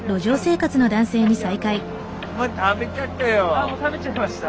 あっもう食べちゃいました？